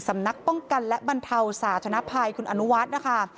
สำนักป้องกันและบรรเทาสาธนภัยคุณอนุวัฒน์นะคะ